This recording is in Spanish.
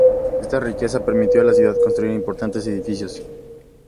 Esta riqueza permitió a la ciudad construir importantes edificios.